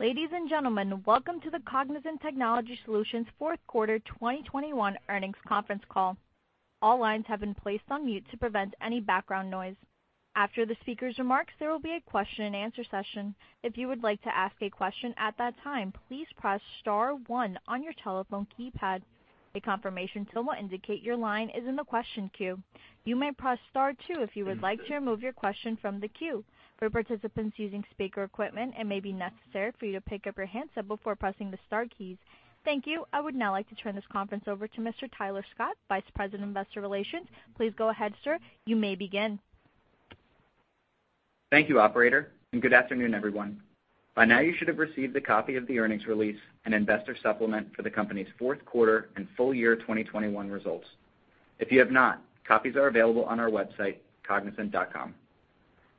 Ladies and gentlemen, welcome to the Cognizant Technology Solutions fourth quarter 2021 earnings conference call. All lines have been placed on mute to prevent any background noise. After the speaker's remarks, there will be a Q&A session. If you would like to ask a question at that time, please press star one on your telephone keypad. A confirmation tone will indicate your line is in the question queue. You may press star two if you would like to remove your question from the queue. For participants using speaker equipment, it may be necessary for you to pick up your handset before pressing the star keys. Thank you. I would now like to turn this conference over to Mr. Tyler Scott, Vice President of Investor Relations. Please go ahead, sir. You may begin. Thank you, operator, and good afternoon, everyone. By now, you should have received a copy of the earnings release and investor supplement for the company's fourth quarter and full year 2021 results. If you have not, copies are available on our website, cognizant.com.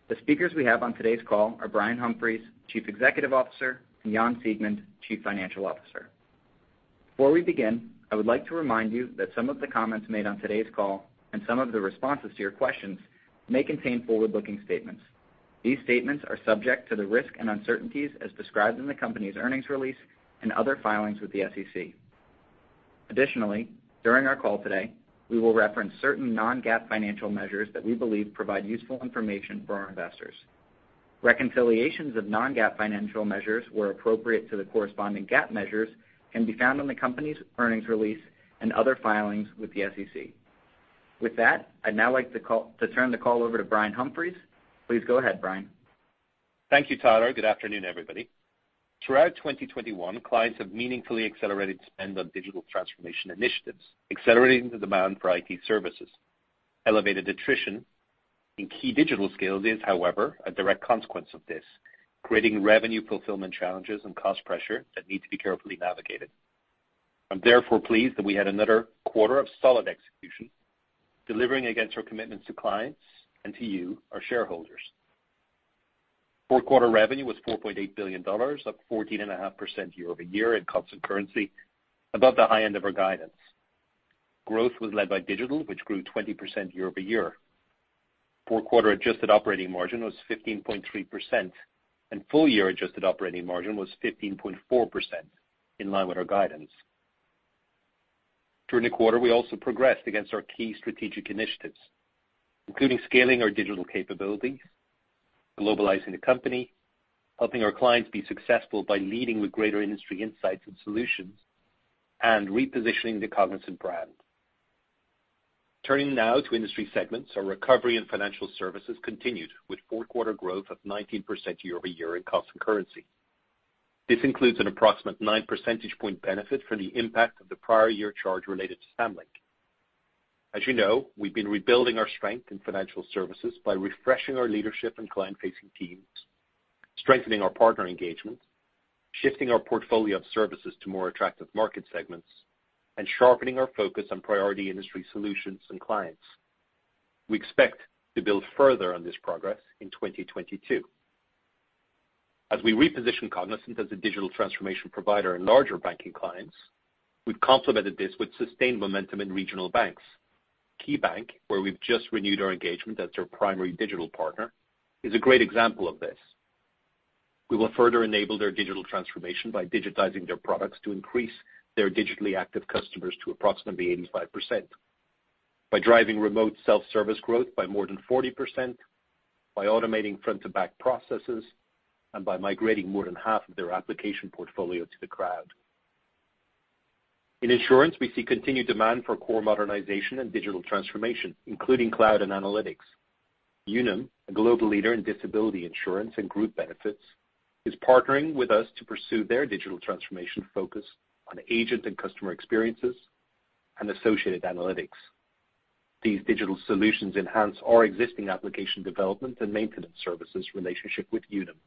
The speakers we have on today's call are Brian Humphries, Chief Executive Officer, and Jan Siegmund, Chief Financial Officer. Before we begin, I would like to remind you that some of the comments made on today's call and some of the responses to your questions may contain forward-looking statements. These statements are subject to the risk and uncertainties as described in the company's earnings release and other filings with the SEC. Additionally, during our call today, we will reference certain non-GAAP financial measures that we believe provide useful information for our investors. Reconciliations of non-GAAP financial measures, where appropriate to the corresponding GAAP measures, can be found on the company's earnings release and other filings with the SEC. With that, I'd now like to turn the call over to Brian Humphries. Please go ahead, Brian. Thank you, Tyler. Good afternoon, everybody. Throughout 2021, clients have meaningfully accelerated spend on digital transformation initiatives, accelerating the demand for IT services. Elevated attrition in key digital skills is, however, a direct consequence of this, creating revenue fulfillment challenges and cost pressure that need to be carefully navigated. I'm therefore pleased that we had another quarter of solid execution, delivering against our commitments to clients and to you, our shareholders. Fourth quarter revenue was $4.8 billion, up 14.5% year-over-year in constant currency, above the high end of our guidance. Growth was led by digital, which grew 20% year-over-year. Fourth quarter adjusted operating margin was 15.3%, and full-year adjusted operating margin was 15.4%, in line with our guidance. During the quarter, we also progressed against our key strategic initiatives, including scaling our digital capabilities, globalizing the company, helping our clients be successful by leading with greater industry insights and solutions, and repositioning the Cognizant brand. Turning now to industry segments. Our recovery in financial services continued with fourth quarter growth of 19% year-over-year in constant currency. This includes an approximate 9 percentage point benefit from the impact of the prior year charge related to Samlink. As you know, we've been rebuilding our strength in financial services by refreshing our leadership and client-facing teams, strengthening our partner engagements, shifting our portfolio of services to more attractive market segments, and sharpening our focus on priority industry solutions and clients. We expect to build further on this progress in 2022. As we reposition Cognizant as a digital transformation provider in larger banking clients, we've complemented this with sustained momentum in regional banks. KeyBank, where we've just renewed our engagement as their primary digital partner, is a great example of this. We will further enable their digital transformation by digitizing their products to increase their digitally active customers to approximately 85%, by driving remote self-service growth by more than 40%, by automating front-to-back processes, and by migrating more than half of their application portfolio to the cloud. In insurance, we see continued demand for core modernization and digital transformation, including cloud and analytics. Unum, a global leader in disability insurance and group benefits, is partnering with us to pursue their digital transformation focus on agent and customer experiences and associated analytics. These digital solutions enhance our existing application development and maintenance services relationship with Unum.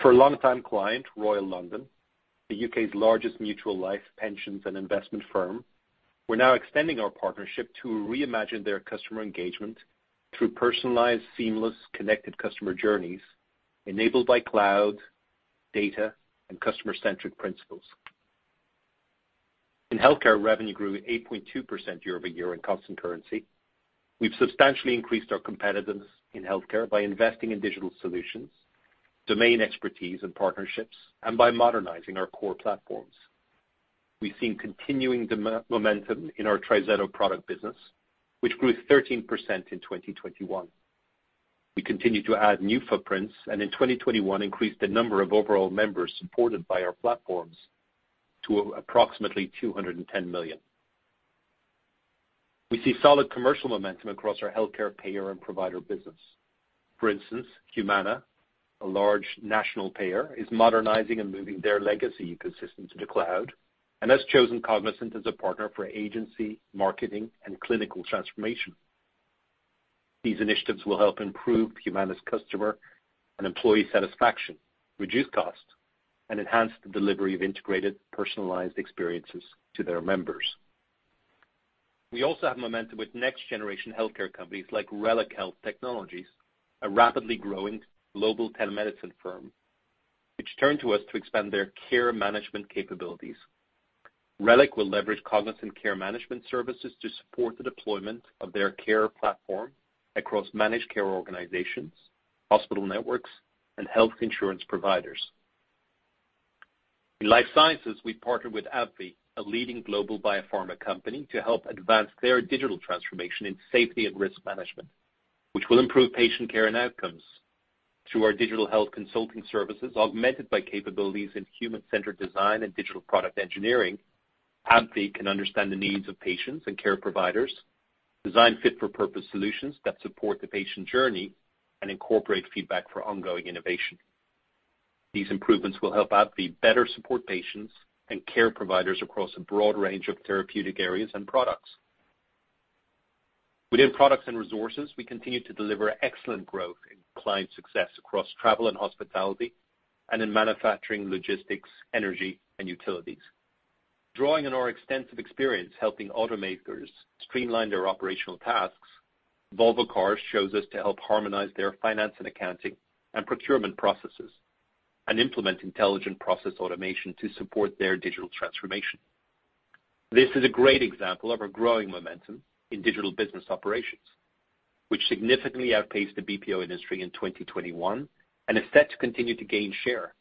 For a longtime client, Royal London, the U.K.'s largest mutual life, pensions, and investment firm, we're now extending our partnership to reimagine their customer engagement through personalized, seamless, connected customer journeys enabled by cloud, data, and customer-centric principles. In healthcare, revenue grew 8.2% year-over-year in constant currency. We've substantially increased our competitiveness in healthcare by investing in digital solutions, domain expertise and partnerships, and by modernizing our core platforms. We've seen continuing demand momentum in our TriZetto product business, which grew 13% in 2021. We continue to add new footprints, and in 2021 increased the number of overall members supported by our platforms to approximately 210 million. We see solid commercial momentum across our healthcare payer and provider business. For instance, Humana, a large national payer, is modernizing and moving their legacy ecosystem to the cloud and has chosen Cognizant as a partner for agency, marketing, and clinical transformation. These initiatives will help improve Humana's customer and employee satisfaction, reduce costs, and enhance the delivery of integrated, personalized experiences to their members. We also have momentum with next-generation healthcare companies like Reliq Health Technologies, a rapidly growing global telemedicine firm, which turn to us to expand their care management capabilities. Reliq will leverage Cognizant care management services to support the deployment of their care platform across managed care organizations, hospital networks, and health insurance providers. In life sciences, we partnered with AbbVie, a leading global biopharma company, to help advance their digital transformation in safety and risk management, which will improve patient care and outcomes. Through our digital health consulting services, augmented by capabilities in human-centered design and digital product engineering, AbbVie can understand the needs of patients and care providers, design fit-for-purpose solutions that support the patient journey, and incorporate feedback for ongoing innovation. These improvements will help AbbVie better support patients and care providers across a broad range of therapeutic areas and products. Within products and resources, we continue to deliver excellent growth in client success across travel and hospitality and in manufacturing, logistics, energy and utilities. Drawing on our extensive experience helping automakers streamline their operational tasks, Volvo Cars chose us to help harmonize their finance and accounting and procurement processes and implement intelligent process automation to support their digital transformation. This is a great example of our growing momentum in digital business operations, which significantly outpaced the BPO industry in 2021 and is set to continue to gain share.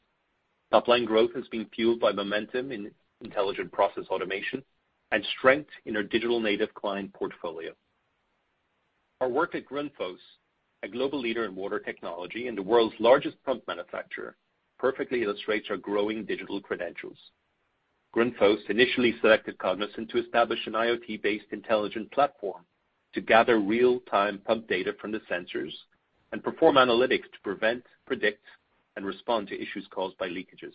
Top-line growth has been fueled by momentum in intelligent process automation and strength in our digital native client portfolio. Our work at Grundfos, a global leader in water technology and the world's largest pump manufacturer, perfectly illustrates our growing digital credentials. Grundfos initially selected Cognizant to establish an IoT-based intelligent platform to gather real-time pump data from the sensors and perform analytics to prevent, predict, and respond to issues caused by leakages.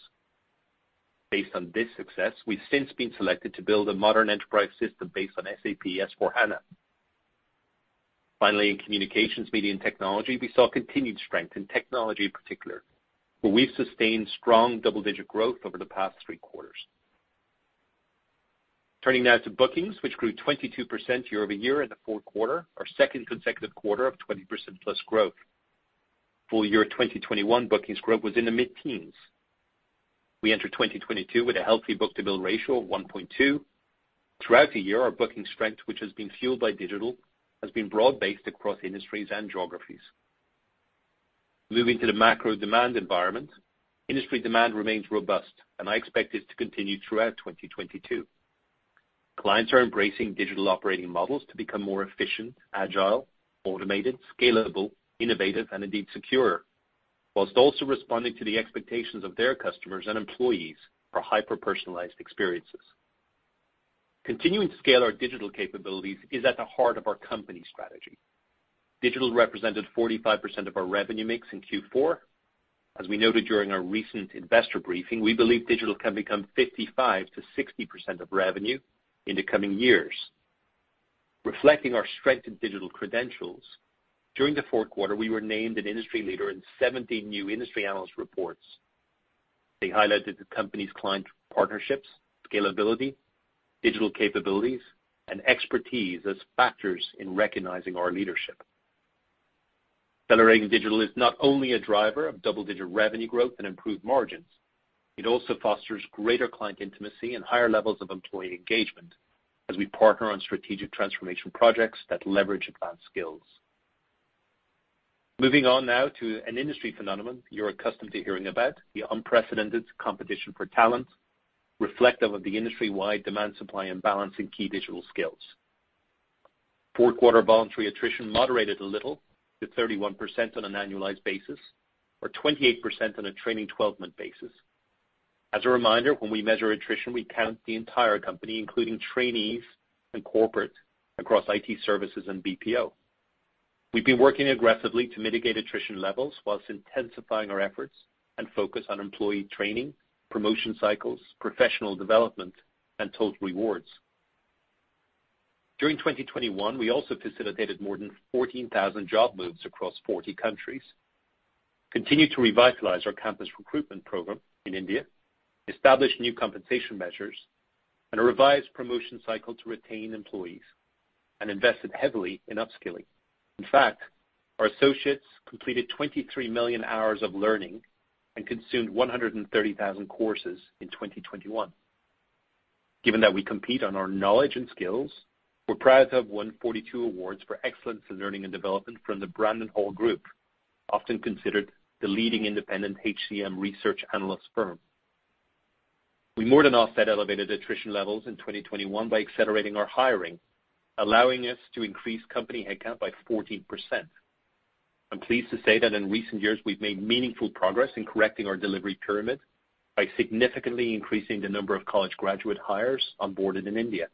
Based on this success, we've since been selected to build a modern enterprise system based on SAP S/4HANA. Finally, in communications, media, and technology, we saw continued strength in technology in particular, where we've sustained strong double-digit growth over the past three quarters. Turning now to bookings, which grew 22% year-over-year in the fourth quarter, our second consecutive quarter of 20%+ growth. Full year 2021 bookings growth was in the mid-teens. We entered 2022 with a healthy book-to-bill ratio of 1.2. Throughout the year, our booking strength, which has been fueled by digital, has been broad-based across industries and geographies. Moving to the macro demand environment, industry demand remains robust and I expect this to continue throughout 2022. Clients are embracing digital operating models to become more efficient, agile, automated, scalable, innovative, and indeed secure, while also responding to the expectations of their customers and employees for hyper-personalized experiences. Continuing to scale our digital capabilities is at the heart of our company strategy. Digital represented 45% of our revenue mix in Q4. As we noted during our recent investor briefing, we believe digital can become 55%-60% of revenue in the coming years. Reflecting our strength in digital credentials, during the fourth quarter we were named an industry leader in 17 new industry analyst reports. They highlighted the company's client partnerships, scalability, digital capabilities, and expertise as factors in recognizing our leadership. Accelerating digital is not only a driver of double-digit revenue growth and improved margins, it also fosters greater client intimacy and higher levels of employee engagement as we partner on strategic transformation projects that leverage advanced skills. Moving on now to an industry phenomenon you're accustomed to hearing about, the unprecedented competition for talent reflecting the industry-wide demand-supply imbalance in key digital skills. Fourth quarter voluntary attrition moderated a little to 31% on an annualized basis, or 28% on a trailing 12-month basis. As a reminder, when we measure attrition, we count the entire company, including trainees and corporate, across IT services and BPO. We've been working aggressively to mitigate attrition levels while intensifying our efforts and focus on employee training, promotion cycles, professional development, and total rewards. During 2021, we also facilitated more than 14,000 job moves across 40 countries, continued to revitalize our campus recruitment program in India, established new compensation measures and a revised promotion cycle to retain employees, and invested heavily in upskilling. In fact, our associates completed 23 million hours of learning and consumed 130,000 courses in 2021. Given that we compete on our knowledge and skills, we're proud to have won 42 awards for excellence in learning and development from the Brandon Hall Group, often considered the leading independent HCM research analyst firm. We more than offset elevated attrition levels in 2021 by accelerating our hiring, allowing us to increase company headcount by 14%. I'm pleased to say that in recent years we've made meaningful progress in correcting our delivery pyramid by significantly increasing the number of college graduate hires onboarded in India.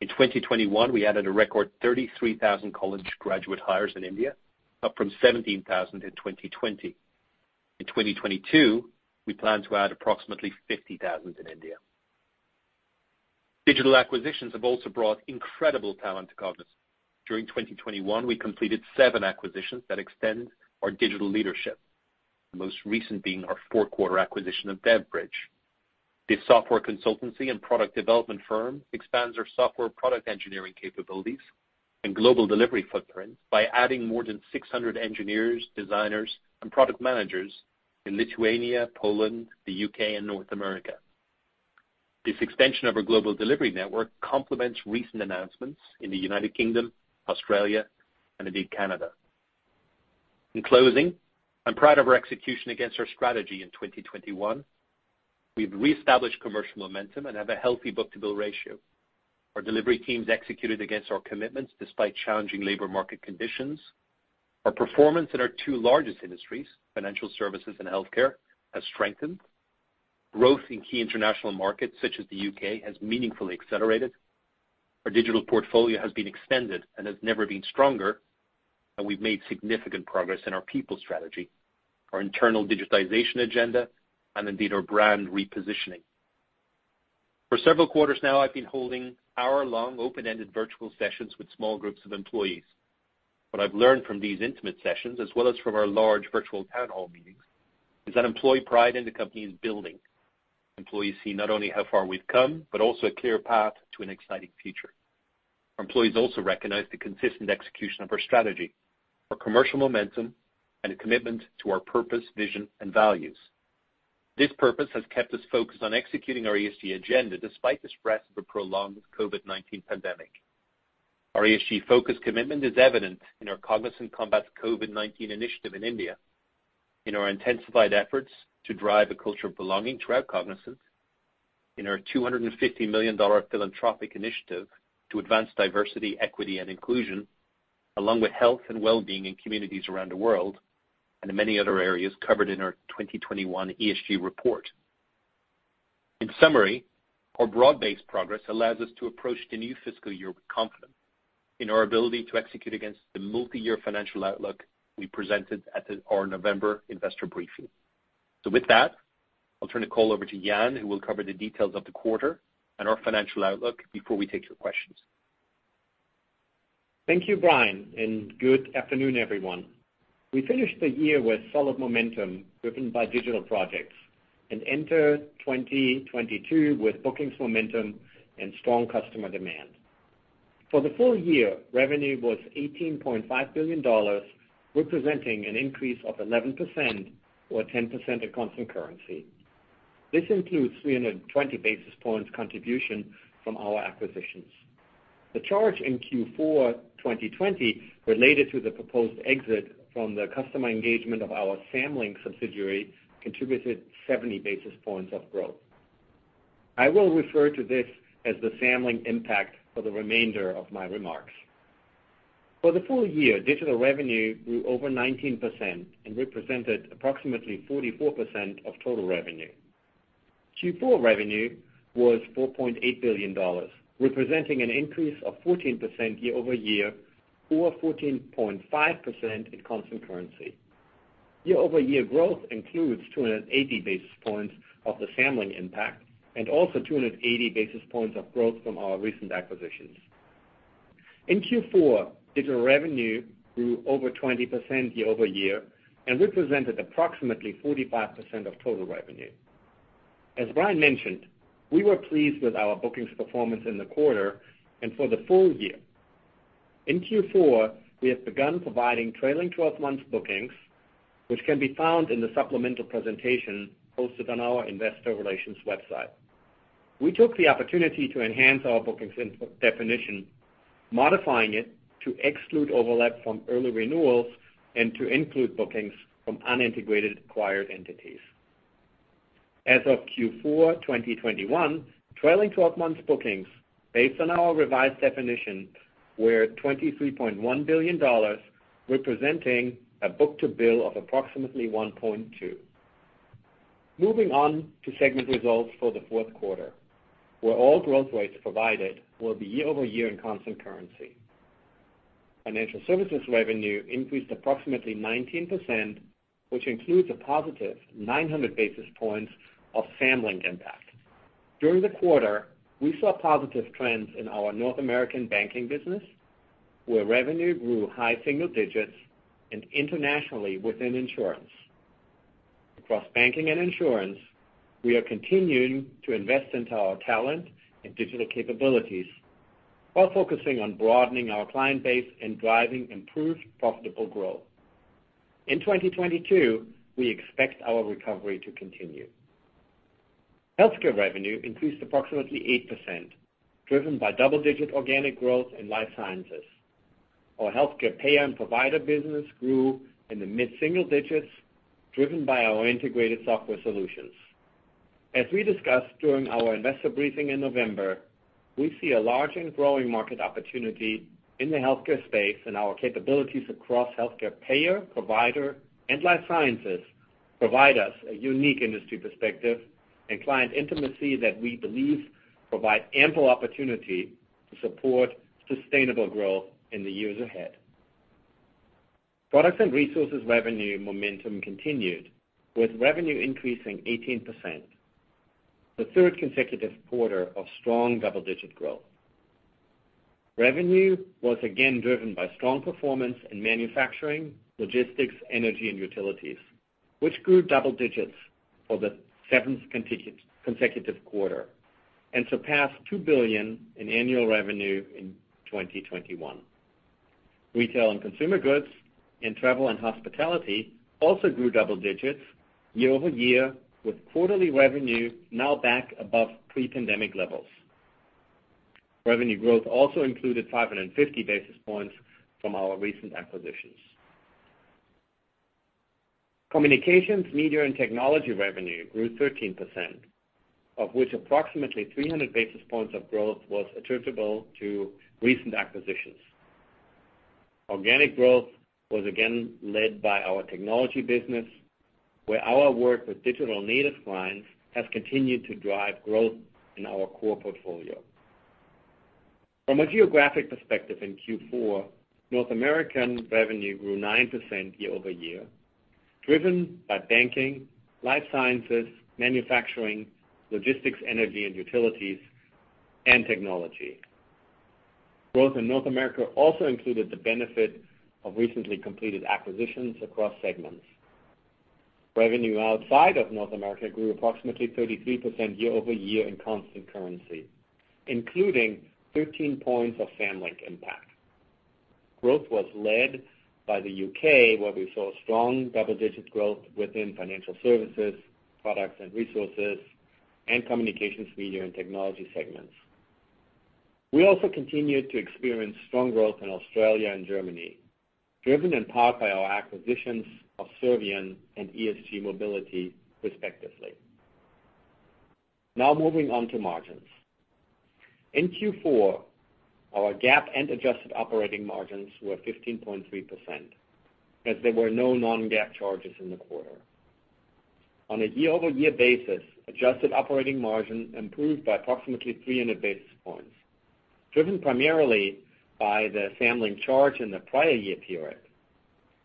In 2021, we added a record 33,000 college graduate hires in India, up from 17,000 in 2020. In 2022, we plan to add approximately 50,000 in India. Digital acquisitions have also brought incredible talent to Cognizant. During 2021, we completed seven acquisitions that extend our digital leadership, the most recent being our fourth quarter acquisition of Devbridge. This software consultancy and product development firm expands our software product engineering capabilities and global delivery footprint by adding more than 600 engineers, designers, and product managers in Lithuania, Poland, the U.K., and North America. This extension of our global delivery network complements recent announcements in the United Kingdom, Australia, and indeed Canada. In closing, I'm proud of our execution against our strategy in 2021. We've reestablished commercial momentum and have a healthy book-to-bill ratio. Our delivery teams executed against our commitments despite challenging labor market conditions. Our performance in our two largest industries, financial services and healthcare, has strengthened. Growth in key international markets such as the U.K. has meaningfully accelerated. Our digital portfolio has been extended and has never been stronger, and we've made significant progress in our people strategy, our internal digitization agenda, and indeed, our brand repositioning. For several quarters now, I've been holding hour-long open-ended virtual sessions with small groups of employees. What I've learned from these intimate sessions, as well as from our large virtual town hall meetings, is that employee pride in the company is building. Employees see not only how far we've come, but also a clear path to an exciting future. Employees also recognize the consistent execution of our strategy, our commercial momentum, and a commitment to our purpose, vision, and values. This purpose has kept us focused on executing our ESG agenda despite the threats of a prolonged COVID-19 pandemic. Our ESG focus commitment is evident in our Cognizant Combats COVID-19 initiative in India, in our intensified efforts to drive a culture of belonging throughout Cognizant, in our $250 million philanthropic initiative to advance diversity, equity, and inclusion, along with health and wellbeing in communities around the world, and in many other areas covered in our 2021 ESG report. In summary, our broad-based progress allows us to approach the new fiscal year with confidence in our ability to execute against the multi-year financial outlook we presented at our November investor briefing. With that, I'll turn the call over to Jan, who will cover the details of the quarter and our financial outlook before we take your questions. Thank you, Brian, and good afternoon, everyone. We finished the year with solid momentum driven by digital projects, and enter 2022 with bookings momentum and strong customer demand. For the full year, revenue was $18.5 billion, representing an increase of 11% or 10% at constant currency. This includes 320 basis points contribution from our acquisitions. The charge in Q4 2020 related to the proposed exit from the customer engagement of our Samlink subsidiary contributed 70 basis points of growth. I will refer to this as the Samlink impact for the remainder of my remarks. For the full year, digital revenue grew over 19% and represented approximately 44% of total revenue. Q4 revenue was $4.8 billion, representing an increase of 14% year-over-year or 14.5% in constant currency. Year-over-year growth includes 280 basis points of the Samlink impact and also 280 basis points of growth from our recent acquisitions. In Q4, digital revenue grew over 20% year-over-year and represented approximately 45% of total revenue. As Brian mentioned, we were pleased with our bookings performance in the quarter and for the full year. In Q4, we have begun providing trailing-twelve-months bookings, which can be found in the supplemental presentation posted on our investor relations website. We took the opportunity to enhance our bookings input definition, modifying it to exclude overlap from early renewals and to include bookings from unintegrated acquired entities. As of Q4 2021, trailing-twelve-months bookings based on our revised definition were $23.1 billion, representing a book-to-bill of approximately 1.2. Moving on to segment results for the fourth quarter, where all growth rates provided will be year-over-year in constant currency. Financial Services revenue increased approximately 19%, which includes a positive 900 basis points of Samlink impact. During the quarter, we saw positive trends in our North American banking business, where revenue grew high single digits and internationally within insurance. Across banking and insurance, we are continuing to invest into our talent and digital capabilities while focusing on broadening our client base and driving improved profitable growth. In 2022, we expect our recovery to continue. Healthcare revenue increased approximately 8%, driven by double-digit organic growth in life sciences. Our healthcare payer and provider business grew in the mid-single digits driven by our integrated software solutions. As we discussed during our investor briefing in November, we see a large and growing market opportunity in the healthcare space, and our capabilities across healthcare payer, provider, and life sciences provide us a unique industry perspective and client intimacy that we believe provide ample opportunity to support sustainable growth in the years ahead. Products and resources revenue momentum continued, with revenue increasing 18%, the third consecutive quarter of strong double-digit growth. Revenue was again driven by strong performance in manufacturing, logistics, energy, and utilities, which grew double digits for the seventh consecutive quarter and surpassed $2 billion in annual revenue in 2021. Retail and consumer goods and travel and hospitality also grew double digits year-over-year, with quarterly revenue now back above pre-pandemic levels. Revenue growth also included 550 basis points from our recent acquisitions. Communications, media, and technology revenue grew 13%, of which approximately 300 basis points of growth was attributable to recent acquisitions. Organic growth was again led by our technology business, where our work with digital native clients has continued to drive growth in our core portfolio. From a geographic perspective in Q4, North American revenue grew 9% year-over-year, driven by banking, life sciences, manufacturing, logistics, energy and utilities, and technology. Growth in North America also included the benefit of recently completed acquisitions across segments. Revenue outside of North America grew approximately 33% year-over-year in constant currency, including 13 points of Samlink impact. Growth was led by the U.K., where we saw strong double-digit growth within financial services, products and resources, and communications, media, and technology segments. We also continued to experience strong growth in Australia and Germany, driven in part by our acquisitions of Servian and ESG Mobility, respectively. Now moving on to margins. In Q4, our GAAP and adjusted operating margins were 15.3%, as there were no non-GAAP charges in the quarter. On a year-over-year basis, adjusted operating margin improved by approximately 300 basis points, driven primarily by the Samlink charge in the prior year period.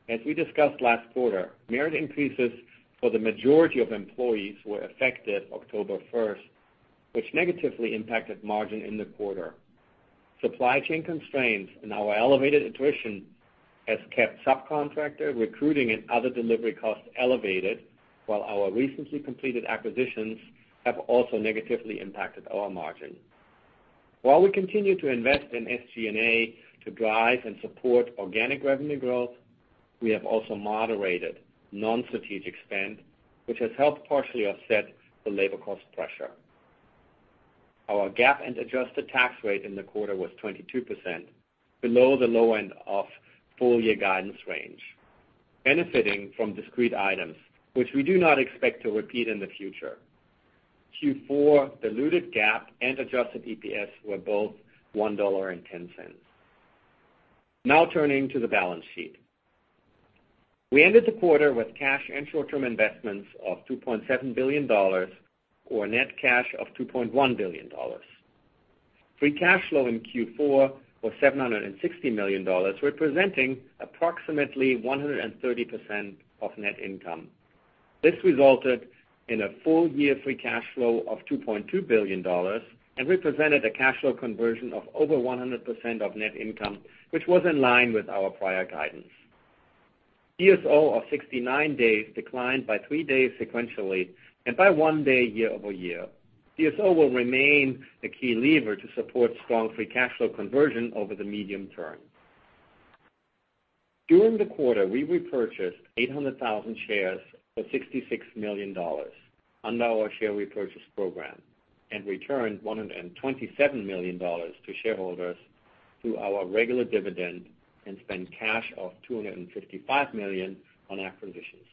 As we discussed last quarter, merit increases for the majority of employees were effected October first, which negatively impacted margin in the quarter. Supply chain constraints and our elevated attrition has kept subcontractor recruiting and other delivery costs elevated, while our recently completed acquisitions have also negatively impacted our margin. While we continue to invest in SG&A to drive and support organic revenue growth, we have also moderated non-strategic spend, which has helped partially offset the labor cost pressure. Our GAAP and adjusted tax rate in the quarter was 22%, below the low end of full-year guidance range, benefiting from discrete items which we do not expect to repeat in the future. Q4 diluted GAAP and adjusted EPS were both $1.10. Now turning to the balance sheet. We ended the quarter with cash and short-term investments of $2.7 billion or net cash of $2.1 billion. Free cash flow in Q4 was $760 million, representing approximately 130% of net income. This resulted in a full year free cash flow of $2.2 billion and represented a cash flow conversion of over 100% of net income, which was in line with our prior guidance. DSO of 69 days declined by three days sequentially and by one day year-over-year. DSO will remain a key lever to support strong free cash flow conversion over the medium term. During the quarter, we repurchased 800,000 shares for $66 million under our share repurchase program and returned $127 million to shareholders through our regular dividend and spent cash of $255 million on acquisitions.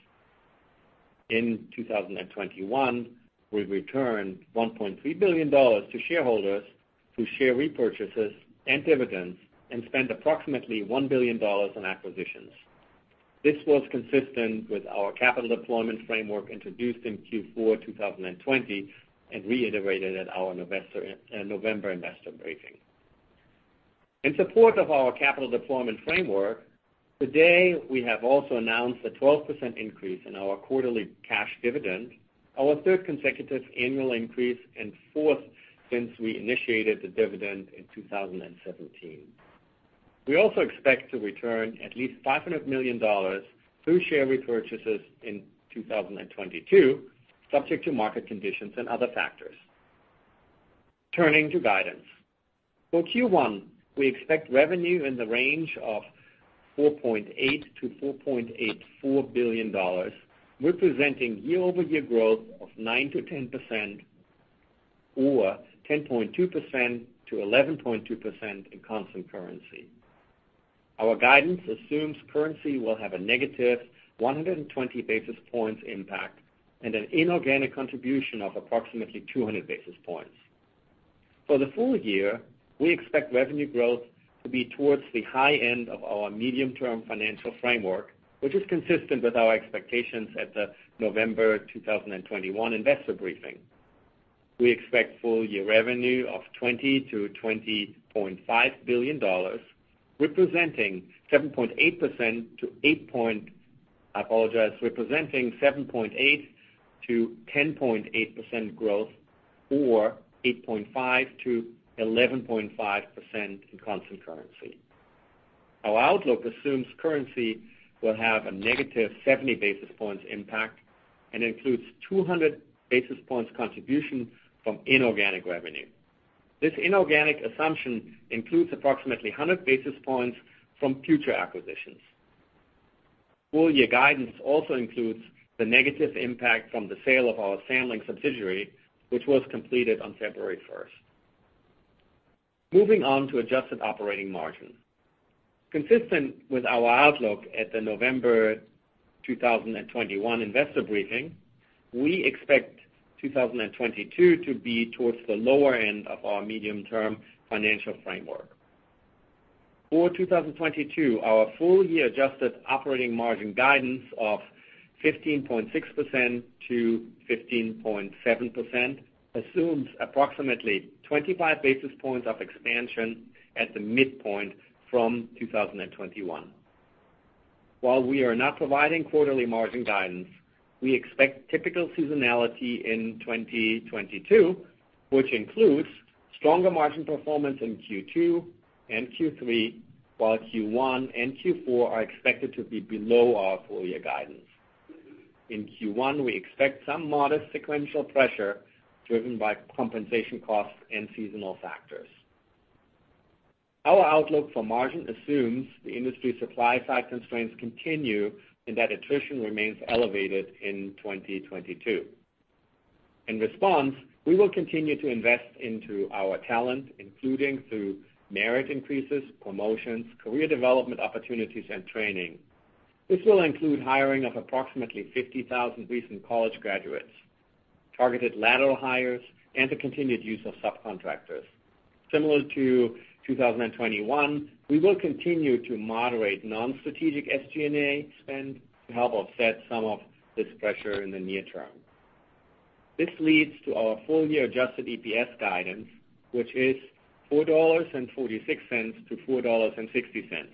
In 2021, we returned $1.3 billion to shareholders through share repurchases and dividends and spent approximately $1 billion in acquisitions. This was consistent with our capital deployment framework introduced in Q4 2020 and reiterated at our November investor briefing. In support of our capital deployment framework, today we have also announced a 12% increase in our quarterly cash dividend, our third consecutive annual increase, and fourth since we initiated the dividend in 2017. We also expect to return at least $500 million through share repurchases in 2022, subject to market conditions and other factors. Turning to guidance. For Q1, we expect revenue in the range of $4.8 billion-$4.84 billion, representing year-over-year growth of 9%-10% or 10.2%-11.2% in constant currency. Our guidance assumes currency will have a negative 120 basis points impact and an inorganic contribution of approximately 200 basis points. For the full year, we expect revenue growth to be towards the high end of our medium-term financial framework, which is consistent with our expectations at the November 2021 investor briefing. We expect full year revenue of $20 billion-$20.5 billion. Representing 7.8%-10.8% growth or 8.5%-11.5% in constant currency. Our outlook assumes currency will have a negative 70 basis points impact and includes 200 basis points contribution from inorganic revenue. This inorganic assumption includes approximately 100 basis points from future acquisitions. Full-year guidance also includes the negative impact from the sale of our Samlink subsidiary, which was completed on February first. Moving on to adjusted operating margin. Consistent with our outlook at the November 2021 investor briefing, we expect 2022 to be towards the lower end of our medium-term financial framework. For 2022, our full-year adjusted operating margin guidance of 15.6%-15.7% assumes approximately 25 basis points of expansion at the midpoint from 2021. While we are not providing quarterly margin guidance, we expect typical seasonality in 2022, which includes stronger margin performance in Q2 and Q3, while Q1 and Q4 are expected to be below our full-year guidance. In Q1, we expect some modest sequential pressure driven by compensation costs and seasonal factors. Our outlook for margin assumes the industry supply side constraints continue, and that attrition remains elevated in 2022. In response, we will continue to invest into our talent, including through merit increases, promotions, career development opportunities, and training. This will include hiring of approximately 50,000 recent college graduates, targeted lateral hires, and the continued use of subcontractors. Similar to 2021, we will continue to moderate non-strategic SG&A spend to help offset some of this pressure in the near term. This leads to our full-year adjusted EPS guidance, which is $4.46-$4.60.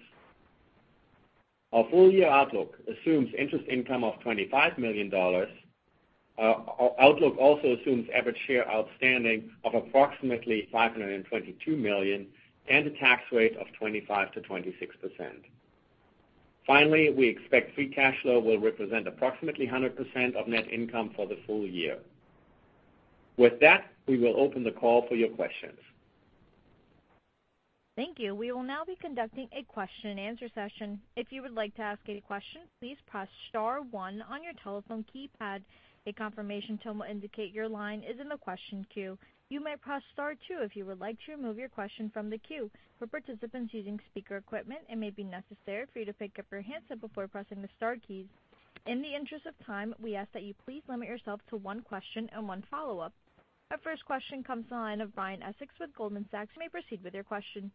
Our full-year outlook assumes interest income of $25 million. Our outlook also assumes average share outstanding of approximately 522 million and a tax rate of 25%-26%. Finally, we expect free cash flow will represent approximately 100% of net income for the full year. With that, we will open the call for your questions. Thank you. We will now be conducting a Q&A session. If you would like to ask a question, please press star one on your telephone keypad. A confirmation tone will indicate your line is in the question queue. You may press star two if you would like to remove your question from the queue. For participants using speaker equipment, it may be necessary for you to pick up your handset before pressing the star keys. In the interest of time, we ask that you please limit yourself to one question and one follow-up. Our first question comes to the line of Brian Essex with Goldman Sachs. You may proceed with your question.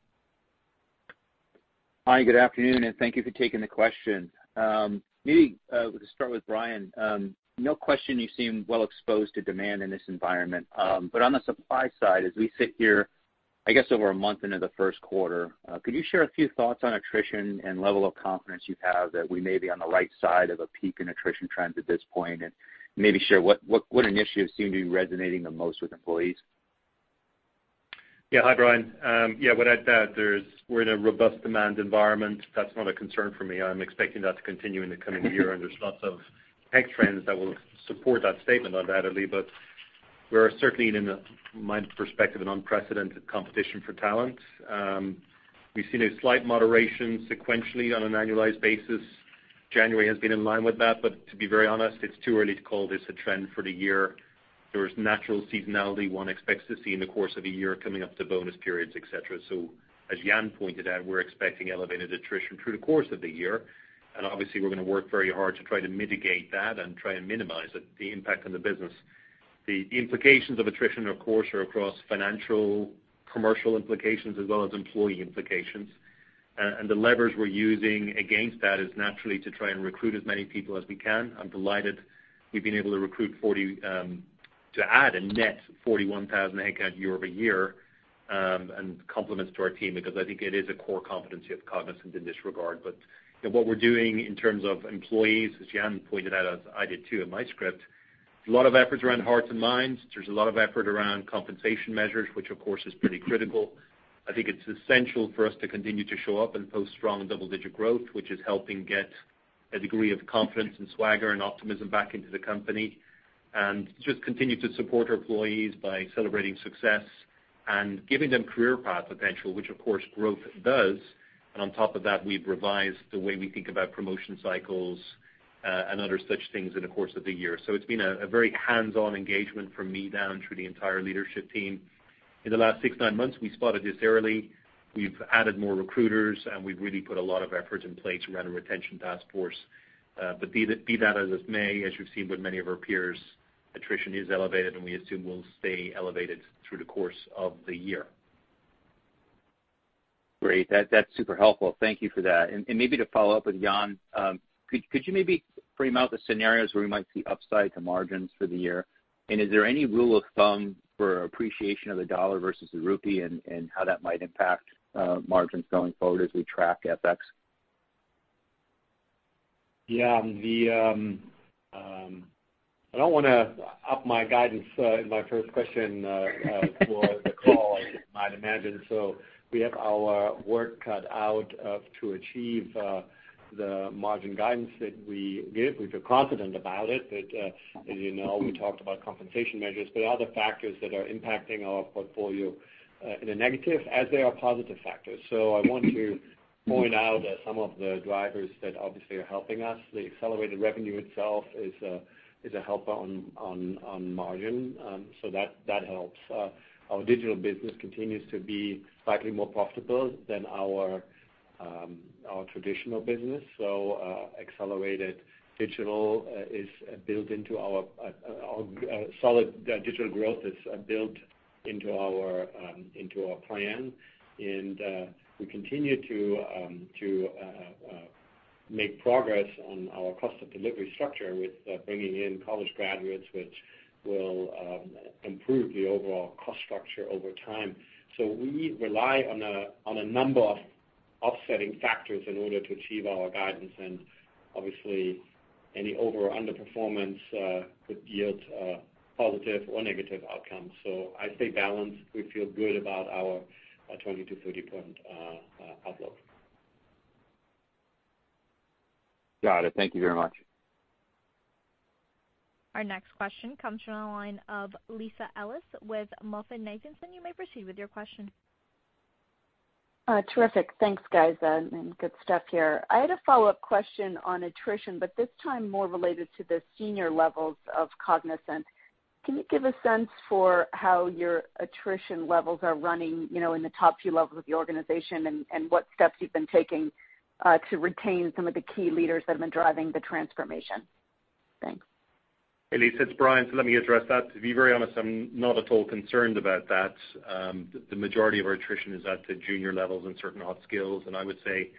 Hi, good afternoon, and thank you for taking the question. Maybe to start with Brian, no question you seem well exposed to demand in this environment. But on the supply side, as we sit here, I guess over a month into the first quarter, could you share a few thoughts on attrition and level of confidence you have that we may be on the right side of a peak in attrition trends at this point, and maybe share what initiatives seem to be resonating the most with employees? Yeah. Hi, Brian. Yeah, what I'd add, we're in a robust demand environment. That's not a concern for me. I'm expecting that to continue in the coming year, and there's lots of tech trends that will support that statement, undoubtedly. But we're certainly in a, from my perspective, an unprecedented competition for talent. We've seen a slight moderation sequentially on an annualized basis. January has been in line with that, but to be very honest, it's too early to call this a trend for the year. There is natural seasonality one expects to see in the course of a year coming up to bonus periods, et cetera. As Jan pointed out, we're expecting elevated attrition through the course of the year, and obviously we're gonna work very hard to try to mitigate that and try and minimize it, the impact on the business. The implications of attrition, of course, are across financial, commercial implications as well as employee implications. The levers we're using against that is naturally to try and recruit as many people as we can. I'm delighted we've been able to recruit 40 to add a net 41,000 headcount year over year, and compliments to our team because I think it is a core competency of Cognizant in this regard. You know, what we're doing in terms of employees, as Jan pointed out, as I did too in my script, a lot of efforts around hearts and minds. There's a lot of effort around compensation measures, which of course is pretty critical. I think it's essential for us to continue to show up and post strong double-digit growth, which is helping get a degree of confidence and swagger and optimism back into the company. Just continue to support our employees by celebrating success and giving them career path potential, which of course growth does. On top of that, we've revised the way we think about promotion cycles and other such things in the course of the year. It's been a very hands-on engagement from me down through the entire leadership team. In the last six to nine months, we spotted this early. We've added more recruiters, and we've really put a lot of efforts in place around a retention task force. Be that as it may, as you've seen with many of our peers, attrition is elevated, and we assume will stay elevated through the course of the year. Great. That's super helpful. Thank you for that. Maybe to follow up with Jan, could you maybe frame out the scenarios where we might see upside to margins for the year? Is there any rule of thumb for appreciation of the dollar versus the rupee and how that might impact margins going forward as we track FX? Yeah, I don't wanna up my guidance in my first question for the call, as you might imagine. We have our work cut out to achieve the margin guidance that we give. We feel confident about it. As you know, we talked about compensation measures. There are other factors that are impacting our portfolio in a negative, as there are positive factors. I want to point out that some of the drivers that obviously are helping us. The accelerated revenue itself is a help on margin. That helps. Our digital business continues to be slightly more profitable than our traditional business. Solid digital growth is built into our plan. We continue to make progress on our cost of delivery structure with bringing in college graduates, which will improve the overall cost structure over time. We rely on a number of offsetting factors in order to achieve our guidance. Obviously, any over or underperformance could yield positive or negative outcomes. I stay balanced. We feel good about our 20- to 30-point outlook. Got it. Thank you very much. Our next question comes from the line of Lisa Ellis with MoffettNathanson. You may proceed with your question. Terrific. Thanks, guys, and good stuff here. I had a follow-up question on attrition, but this time more related to the senior levels of Cognizant. Can you give a sense for how your attrition levels are running, you know, in the top few levels of the organization and what steps you've been taking to retain some of the key leaders that have been driving the transformation? Thanks. Hey, Lisa, it's Brian. Let me address that. To be very honest, I'm not at all concerned about that. The majority of our attrition is at the junior levels in certain hot skills. I would say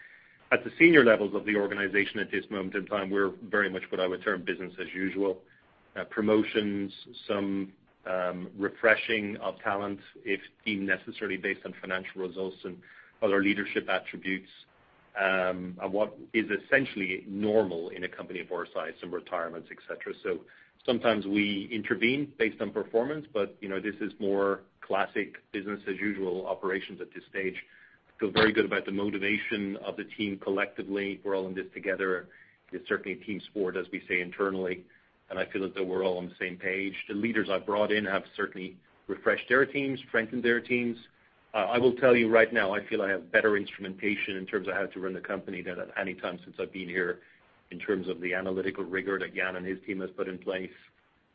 at the senior levels of the organization at this moment in time, we're very much what I would term business as usual. Promotions, some refreshing of talent if deemed necessary based on financial results and other leadership attributes, are what is essentially normal in a company of our size, some retirements, et cetera. Sometimes we intervene based on performance, but you know, this is more classic business as usual operations at this stage. I feel very good about the motivation of the team collectively. We're all in this together. It's certainly a team sport, as we say internally, and I feel as though we're all on the same page. The leaders I've brought in have certainly refreshed their teams, strengthened their teams. I will tell you right now, I feel I have better instrumentation in terms of how to run the company than at any time since I've been here in terms of the analytical rigor that Jan and his team has put in place.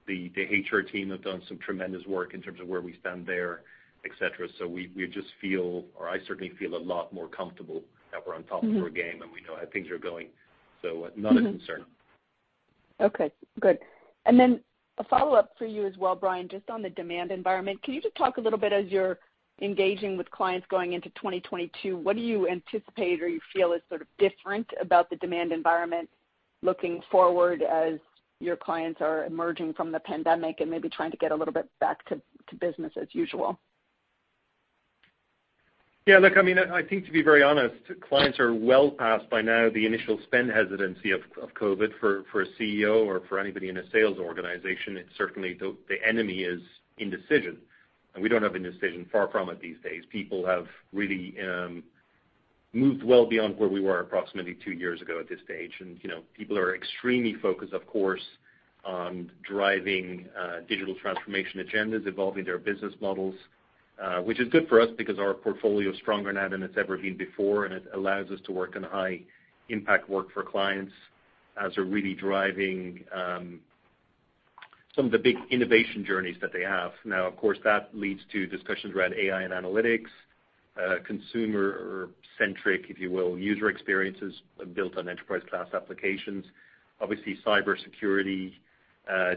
The HR team have done some tremendous work in terms of where we stand there, et cetera. We just feel, or I certainly feel a lot more comfortable that we're on top of our game, and we know how things are going. Not a concern. Okay, good. A follow-up for you as well, Brian, just on the demand environment. Can you just talk a little bit as you're engaging with clients going into 2022, what do you anticipate or you feel is sort of different about the demand environment looking forward as your clients are emerging from the pandemic and maybe trying to get a little bit back to business as usual? Yeah, look, I mean, I think to be very honest, clients are well past by now the initial spend hesitancy of COVID for a CEO or for anybody in a sales organization. It's certainly the enemy is indecision, and we don't have indecision, far from it these days. People have really moved well beyond where we were approximately two years ago at this stage. You know, people are extremely focused, of course, on driving digital transformation agendas, evolving their business models, which is good for us because our portfolio is stronger now than it's ever been before, and it allows us to work on high-impact work for clients as they're really driving some of the big innovation journeys that they have. Now, of course, that leads to discussions around AI and analytics, consumer-centric, if you will, user experiences built on enterprise class applications. Obviously, cybersecurity,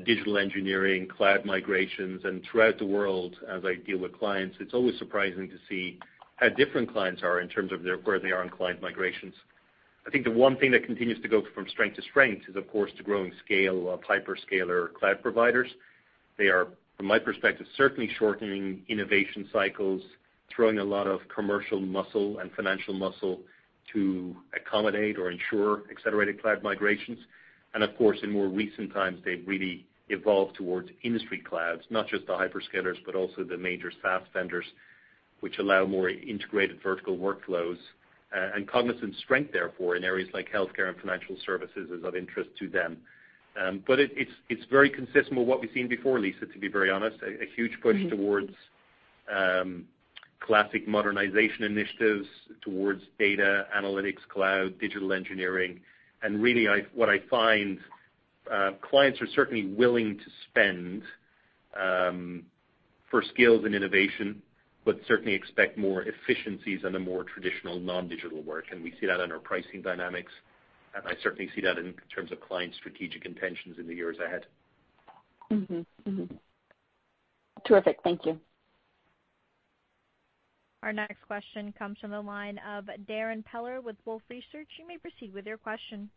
digital engineering, cloud migrations. Throughout the world, as I deal with clients, it's always surprising to see how different clients are in terms of their, where they are on cloud migrations. I think the one thing that continues to go from strength to strength is of course, the growing scale of hyperscaler cloud providers. They are, from my perspective, certainly shortening innovation cycles, throwing a lot of commercial muscle and financial muscle to accommodate or ensure accelerated cloud migrations. Of course, in more recent times, they've really evolved towards industry clouds, not just the hyperscalers, but also the major SaaS vendors, which allow more integrated vertical workflows. Cognizant's strength, therefore, in areas like healthcare and financial services is of interest to them. It's very consistent with what we've seen before, Lisa, to be very honest, a huge push towards classic modernization initiatives towards data, analytics, cloud, digital engineering. Really, what I find, clients are certainly willing to spend for skills and innovation, but certainly expect more efficiencies on the more traditional non-digital work. We see that in our pricing dynamics, and I certainly see that in terms of client strategic intentions in the years ahead. Terrific. Thank you. Our next question comes from the line of Darrin Peller with Wolfe Research. You may proceed with your question.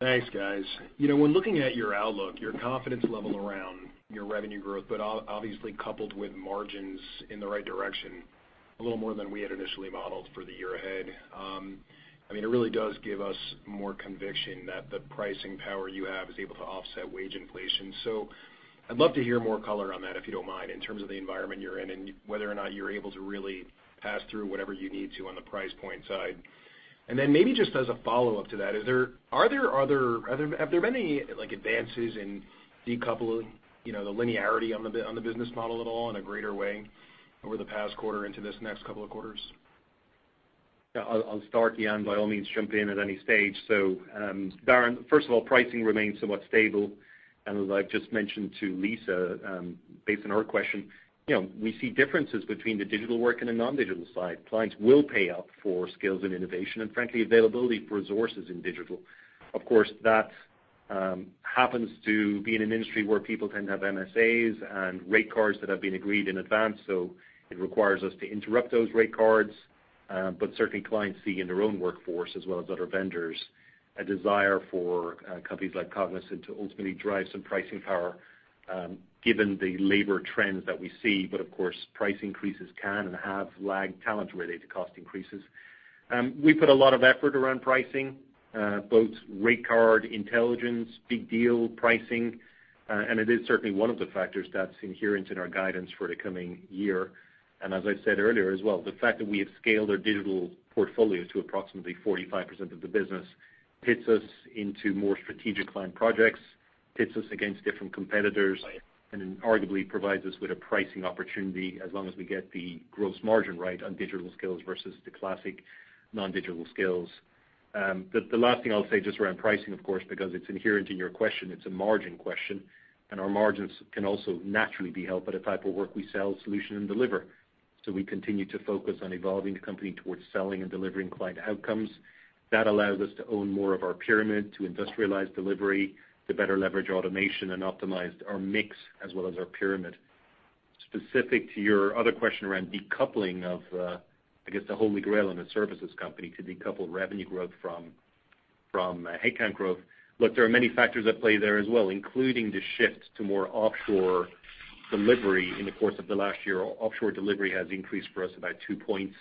Thanks, guys. You know, when looking at your outlook, your confidence level around your revenue growth, but obviously coupled with margins in the right direction, a little more than we had initially modeled for the year ahead, I mean, it really does give us more conviction that the pricing power you have is able to offset wage inflation. I'd love to hear more color on that, if you don't mind, in terms of the environment you're in and whether or not you're able to really pass through whatever you need to on the price point side. Maybe just as a follow-up to that, have there been any, like, advances in decoupling, you know, the linearity on the business model at all in a greater way over the past quarter into this next couple of quarters? Yeah, I'll start, Jan, by all means, jump in at any stage. Darrin, first of all, pricing remains somewhat stable, and as I've just mentioned to Lisa, based on her question, you know, we see differences between the digital work and the non-digital side. Clients will pay up for skills and innovation and, frankly, availability for resources in digital. Of course, that happens to be in an industry where people tend to have MSAs and rate cards that have been agreed in advance, so it requires us to interrupt those rate cards. Certainly clients see in their own workforce, as well as other vendors, a desire for companies like Cognizant to ultimately drive some pricing power, given the labor trends that we see. Of course, price increases can and have lagged talent-related cost increases. We put a lot of effort around pricing, both rate card intelligence, big deal pricing, and it is certainly one of the factors that's inherent in our guidance for the coming year. As I said earlier as well, the fact that we have scaled our digital portfolio to approximately 45% of the business pits us into more strategic client projects, pits us against different competitors, and arguably provides us with a pricing opportunity as long as we get the gross margin rate on digital skills versus the classic non-digital skills. The last thing I'll say just around pricing, of course, because it's inherent in your question, it's a margin question, and our margins can also naturally be helped by the type of work we sell solutions and deliver. We continue to focus on evolving the company towards selling and delivering client outcomes. That allows us to own more of our pyramid, to industrialize delivery, to better leverage automation and optimize our mix as well as our pyramid. Specific to your other question around decoupling of, I guess the Holy Grail in a services company to decouple revenue growth from headcount growth. Look, there are many factors at play there as well, including the shift to more offshore delivery. In the course of the last year, offshore delivery has increased for us about two points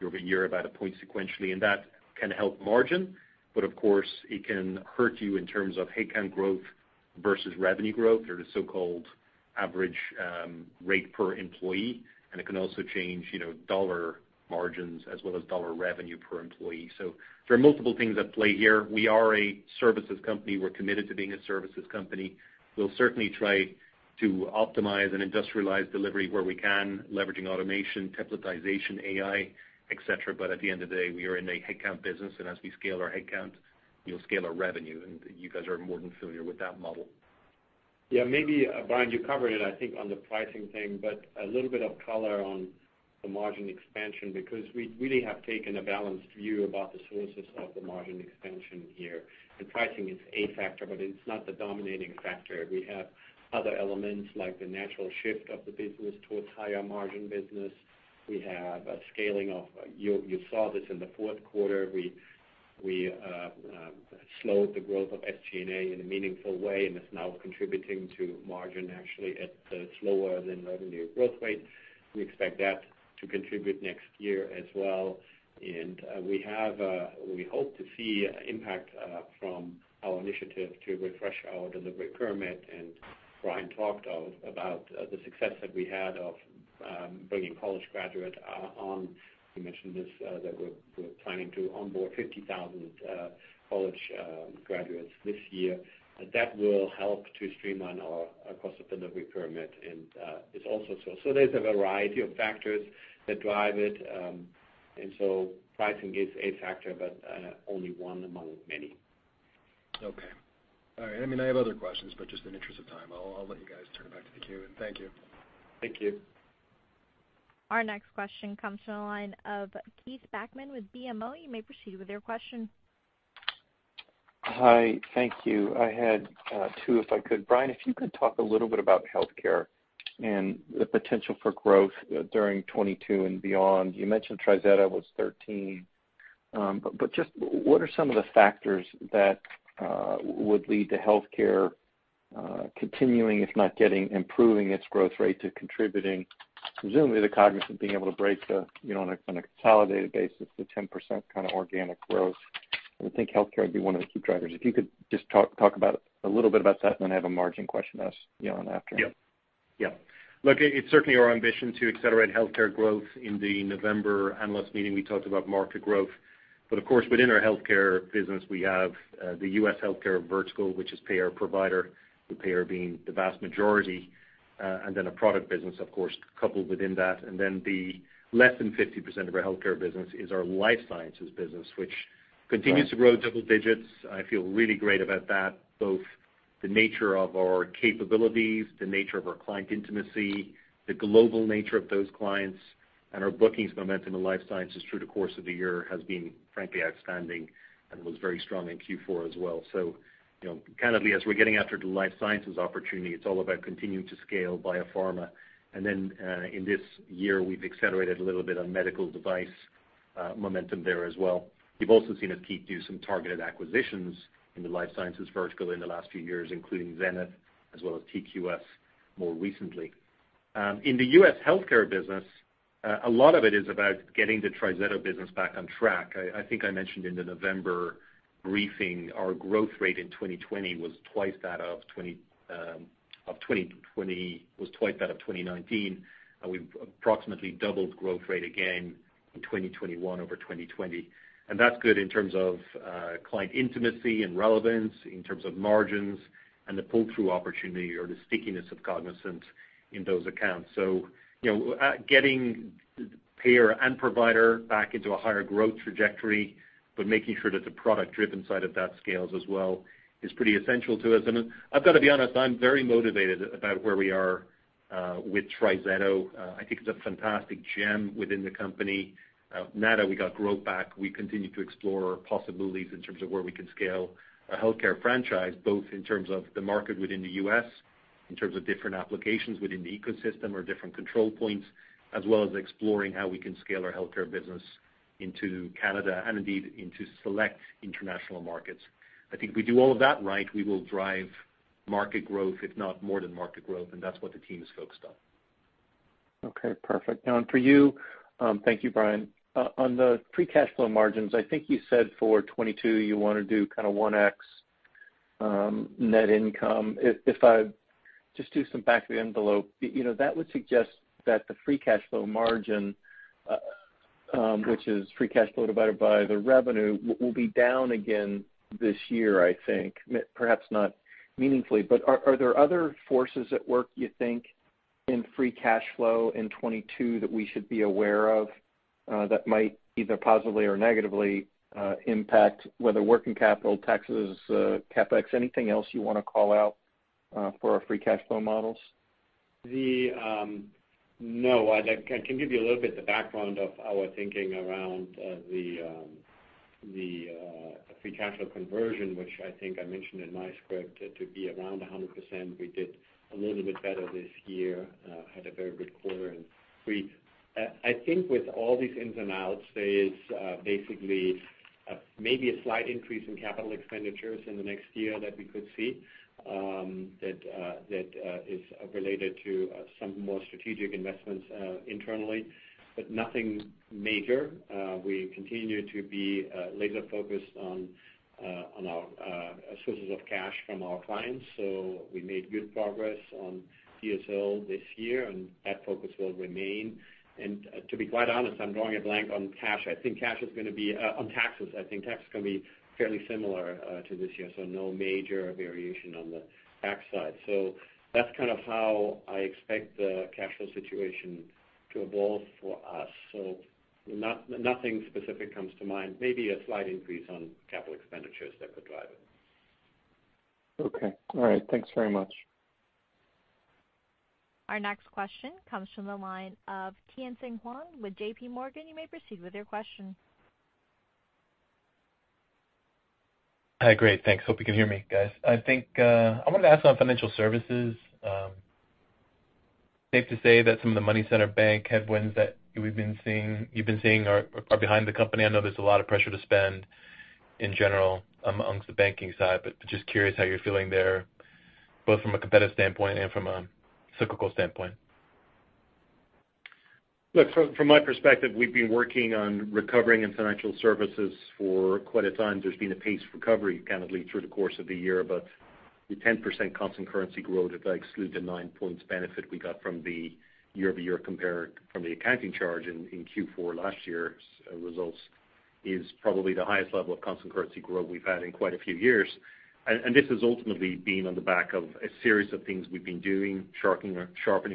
year over year, about a point sequentially, and that can help margin. But of course, it can hurt you in terms of headcount growth versus revenue growth or the so-called average rate per employee, and it can also change, you know, dollar margins as well as dollar revenue per employee. There are multiple things at play here. We are a services company. We're committed to being a services company. We'll certainly try to optimize and industrialize delivery where we can, leveraging automation, templatization, AI, et cetera. But at the end of the day, we are in a headcount business, and as we scale our headcount, we'll scale our revenue, and you guys are more than familiar with that model. Yeah, maybe, Brian, you covered it, I think, on the pricing thing, but a little bit of color on the margin expansion because we really have taken a balanced view about the sources of the margin expansion here. The pricing is a factor, but it's not the dominating factor. We have other elements like the natural shift of the business towards higher margin business. We have a scaling of, you saw this in the fourth quarter. We slowed the growth of SG&A in a meaningful way, and it's now contributing to margin actually at a slower than revenue growth rate. We expect that to contribute next year as well. We hope to see impact from our initiative to refresh our delivery pyramid. Brian talked about the success that we had in bringing college graduates on. You mentioned this, that we're planning to onboard 50,000 college graduates this year. That will help to streamline our cost of delivery pyramid, and it's also so. There's a variety of factors that drive it, and so pricing is a factor, but only one among many. Okay. All right. I mean, I have other questions, but just in interest of time, I'll let you guys turn back to the queue. Thank you. Thank you. Our next question comes from the line of Keith Bachman with BMO. You may proceed with your question. Hi. Thank you. I had two, if I could. Brian, if you could talk a little bit about healthcare and the potential for growth during 2022 and beyond. You mentioned TriZetto was 13. But just what are some of the factors that would lead to healthcare continuing, if not improving, its growth rate to contributing, presumably Cognizant being able to break the, you know, on a consolidated basis, the 10% kind of organic growth. I would think healthcare would be one of the key drivers. If you could just talk about a little bit about that, and then I have a margin question to ask Jan after. Look, it's certainly our ambition to accelerate healthcare growth. In the November analyst meeting, we talked about market growth. Of course, within our healthcare business, we have the U.S. healthcare vertical, which is payer-provider, the payer being the vast majority, and then a product business, of course, coupled within that. Then the less than 50% of our healthcare business is our life sciences business, which continues to grow double digits. I feel really great about that, both the nature of our capabilities, the nature of our client intimacy, the global nature of those clients, and our bookings momentum in life sciences through the course of the year has been, frankly, outstanding and was very strong in Q4 as well. You know, candidly, as we're getting after the life sciences opportunity, it's all about continuing to scale biopharma. In this year, we've accelerated a little bit on medical device momentum there as well. You've also seen us, Keith, do some targeted acquisitions in the life sciences vertical in the last few years, including Zenith as well as TQS more recently. In the U.S. healthcare business, a lot of it is about getting the TriZetto business back on track. I think I mentioned in the November briefing, our growth rate in 2020 was twice that of 2019, and we've approximately doubled growth rate again in 2021 over 2020. That's good in terms of client intimacy and relevance, in terms of margins and the pull-through opportunity or the stickiness of Cognizant in those accounts. You know, getting the payer and provider back into a higher growth trajectory, but making sure that the product-driven side of that scales as well is pretty essential to us. I've gotta be honest, I'm very motivated about where we are with TriZetto. I think it's a fantastic gem within the company. Now we got growth back. We continue to explore possibilities in terms of where we can scale a healthcare franchise, both in terms of the market within the U.S., in terms of different applications within the ecosystem or different control points, as well as exploring how we can scale our healthcare business into Canada, and indeed into select international markets. I think we do all of that right, we will drive market growth, if not more than market growth, and that's what the team is focused on. Okay, perfect. Now on for you, thank you, Brian. On the free cash flow margins, I think you said for 2022 you wanna do kinda 1x net income. If I just do some back of the envelope, you know, that would suggest that the free cash flow margin, which is free cash flow divided by the revenue, will be down again this year, I think. Perhaps not meaningfully, but are there other forces at work you think in free cash flow in 2022 that we should be aware of, that might either positively or negatively impact whether working capital, taxes, CapEx, anything else you wanna call out, for our free cash flow models? I can give you a little bit the background of our thinking around the free cash flow conversion, which I think I mentioned in my script to be around 100%. We did a little bit better this year, had a very good quarter in Q3. I think with all these ins and outs, there is basically maybe a slight increase in capital expenditures in the next year that we could see that is related to some more strategic investments internally, but nothing major. We continue to be laser focused on our sources of cash from our clients. So we made good progress on DSO this year, and that focus will remain. To be quite honest, I'm drawing a blank on cash. I think cash is gonna be on taxes. I think tax is gonna be fairly similar to this year, so no major variation on the tax side. That's kind of how I expect the cash flow situation to evolve for us. Nothing specific comes to mind. Maybe a slight increase on capital expenditures that could drive it. Okay. All right. Thanks very much. Our next question comes from the line of Tien-Tsin Huang with JPMorgan. You may proceed with your question. Hi, great. Thanks. Hope you can hear me, guys. I think I wanted to ask on financial services. Safe to say that some of the money center bank headwinds that we've been seeing, you've been seeing are behind the company? I know there's a lot of pressure to spend in general amongst the banking side, but just curious how you're feeling there, both from a competitive standpoint and from a cyclical standpoint. Look, from my perspective, we've been working on recovering in financial services for quite a time. There's been a paced recovery kind of led through the course of the year, but the 10% constant currency growth, if I exclude the 9 points benefit we got from the year-over-year compare from the accounting charge in Q4 last year's results, is probably the highest level of constant currency growth we've had in quite a few years. This has ultimately been on the back of a series of things we've been doing, sharpening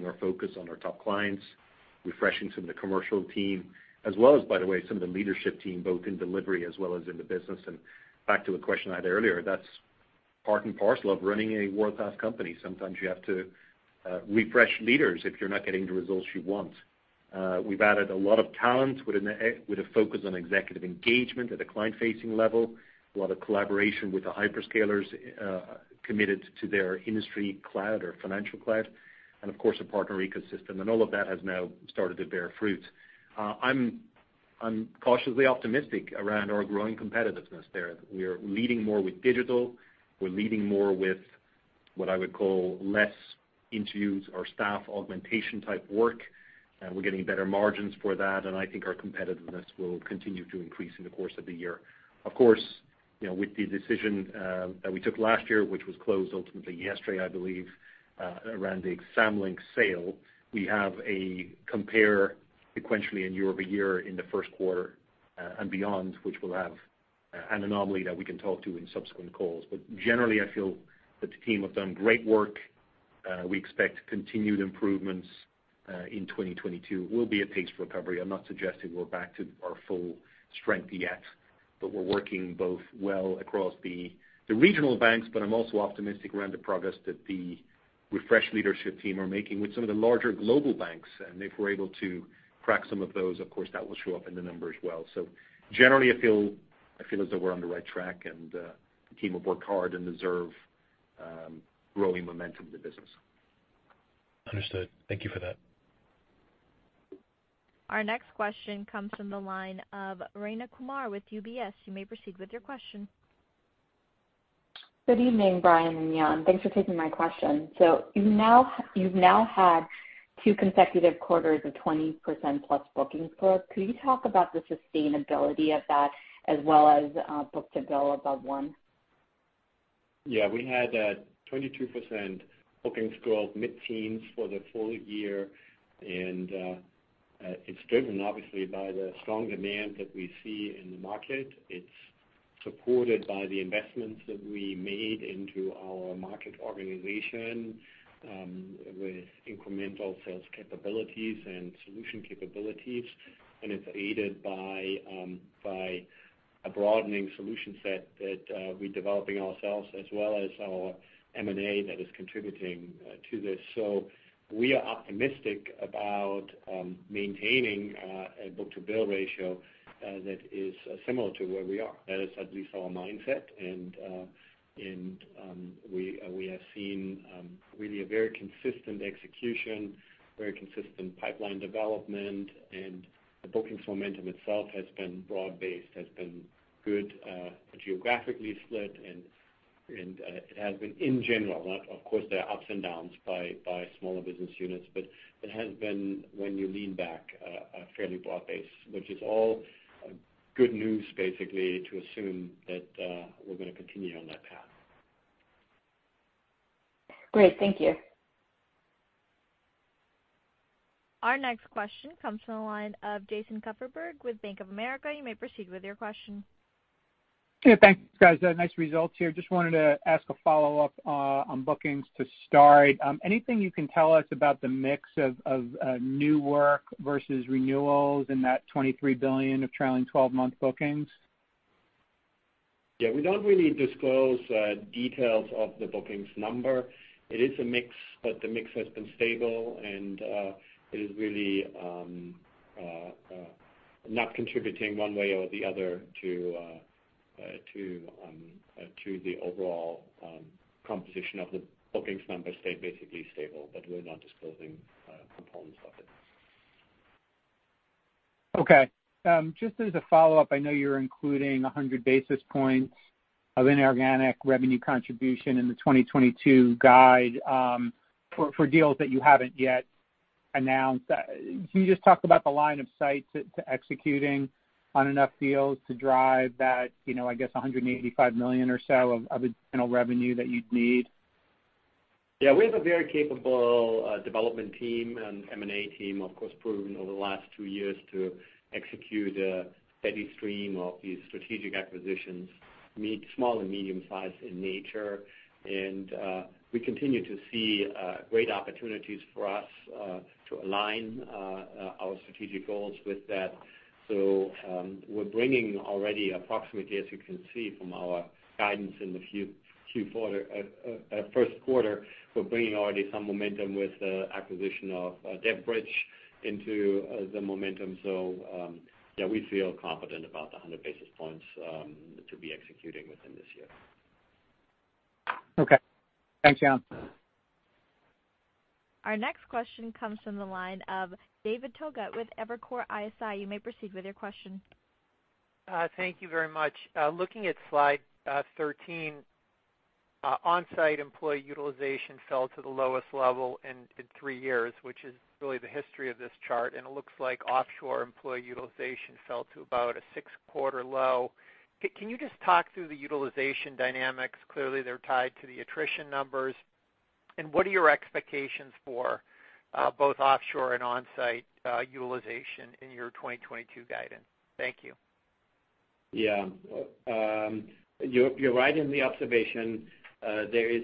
our focus on our top clients, refreshing some of the commercial team as well as, by the way, some of the leadership team, both in delivery as well as in the business. Back to a question I had earlier, that's part and parcel of running a world-class company. Sometimes you have to refresh leaders if you're not getting the results you want. We've added a lot of talent with a focus on executive engagement at a client-facing level, a lot of collaboration with the hyperscalers, committed to their industry cloud or financial cloud, and of course a partner ecosystem. All of that has now started to bear fruit. I'm cautiously optimistic around our growing competitiveness there. We are leading more with digital. We're leading more with what I would call less introduce or staff augmentation type work. We're getting better margins for that, and I think our competitiveness will continue to increase in the course of the year. Of course, you know, with the decision that we took last year, which was closed ultimately yesterday, I believe, around the Samlink sale, we have a compare sequentially and year over year in the first quarter and beyond, which will have an anomaly that we can talk to in subsequent calls. Generally, I feel that the team have done great work. We expect continued improvements in 2022. We'll be at paced recovery. I'm not suggesting we're back to our full strength yet, but we're working both well across the regional banks, but I'm also optimistic around the progress that the refreshed leadership team are making with some of the larger global banks. If we're able to crack some of those, of course that will show up in the numbers well. Generally I feel as though we're on the right track and the team have worked hard and deserve growing momentum in the business. Understood. Thank you for that. Our next question comes from the line of Rayna Kumar with UBS. You may proceed with your question. Good evening, Brian and Jan. Thanks for taking my question. You've now had two consecutive quarters of 20%+ bookings growth. Could you talk about the sustainability of that as well as book-to-bill above one? Yeah, we had 22% bookings growth, mid-teens for the full year. It's driven obviously by the strong demand that we see in the market. It's supported by the investments that we made into our market organization with incremental sales capabilities and solution capabilities. It's aided by a broadening solution set that we're developing ourselves as well as our M&A that is contributing to this. We are optimistic about maintaining a book-to-bill ratio that is similar to where we are. That is at least our mindset. We have seen really a very consistent execution, very consistent pipeline development. The bookings momentum itself has been broad-based, has been good, geographically split, and it has been in general, of course, there are ups and downs by smaller business units, but it has been, when you lean back, fairly broad-based, which is all good news basically to assume that we're gonna continue on that path. Great. Thank you. Our next question comes from the line of Jason Kupferberg with Bank of America. You may proceed with your question. Yeah, thanks guys. Nice results here. Just wanted to ask a follow-up on bookings to start. Anything you can tell us about the mix of new work versus renewals in that $23 billion of trailing twelve-month bookings? Yeah, we don't really disclose details of the bookings number. It is a mix, but the mix has been stable and it is really not contributing one way or the other to the overall composition of the bookings number, stayed basically stable, but we're not disclosing components of it. Okay. Just as a follow-up, I know you're including 100 basis points of inorganic revenue contribution in the 2022 guide, for deals that you haven't yet announced. Can you just talk about the line of sight to executing on enough deals to drive that, you know, I guess $185 million or so of additional revenue that you'd need? Yeah, we have a very capable development team and M&A team, of course, proven over the last two years to execute a steady stream of these strategic acquisitions, small and medium size in nature. We continue to see great opportunities for us to align our strategic goals with that. We're bringing already approximately, as you can see from our guidance in the Q4, first quarter, some momentum with the acquisition of Devbridge into the momentum. We feel confident about the 100 basis points to be executing within this year. Okay. Thanks, Jan. Our next question comes from the line of David Togut with Evercore ISI. You may proceed with your question. Thank you very much. Looking at slide 13, onsite employee utilization fell to the lowest level in three years, which is really the history of this chart. It looks like offshore employee utilization fell to about a six-quarter low. Can you just talk through the utilization dynamics? Clearly, they're tied to the attrition numbers. What are your expectations for both offshore and onsite utilization in your 2022 guidance? Thank you. Yeah. You're right in the observation. There is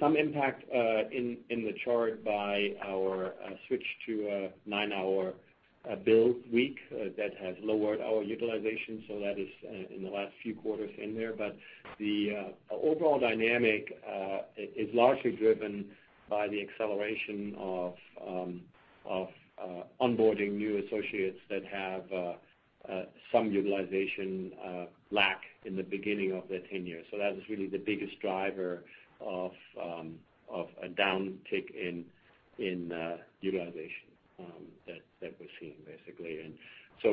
some impact in the chart by our switch to a nine-hour build week that has lowered our utilization. That is in the last few quarters in there. The overall dynamic is largely driven by the acceleration of onboarding new associates that have some utilization lack in the beginning of their tenure. That is really the biggest driver of a downtick in utilization that we're seeing basically.